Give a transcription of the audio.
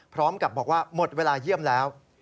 พร้อมกับบอกว่าหมดเวลาเยี่ยมแล้ว